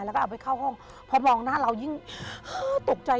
แล้วก็เอาไปเข้าห้องพอมองหน้าเรายิ่งตกใจ